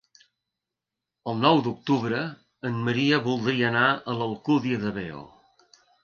El nou d'octubre en Maria voldria anar a l'Alcúdia de Veo.